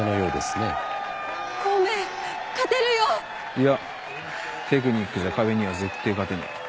いやテクニックじゃＫＡＢＥには絶対勝てねえ。